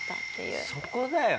そこだよね。